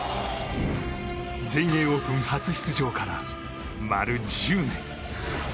全英オープン初出場から丸１０年。